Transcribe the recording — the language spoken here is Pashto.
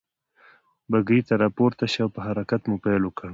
بګۍ ته را پورته شوه او په حرکت مو پيل وکړ.